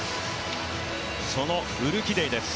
そのウルキディです。